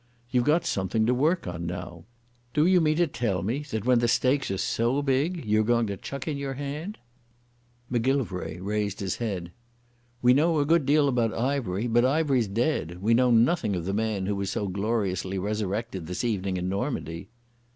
You've got something to work on now. Do you mean to tell me that, when the stakes are so big, you're going to chuck in your hand?" Macgillivray raised his head. "We know a good deal about Ivery, but Ivery's dead. We know nothing of the man who was gloriously resurrected this evening in Normandy."